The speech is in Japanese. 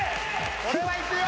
これはいくよ